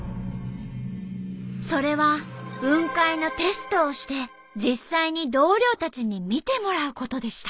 それは雲海のテストをして実際に同僚たちに見てもらうことでした。